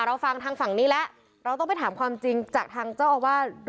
เราฟังทางฝั่งนี้แล้วเราต้องไปถามความจริงจากทางเจ้าอาวาส